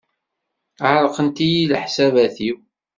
Ɛeṛṛqen-iyi leḥsabat-iw.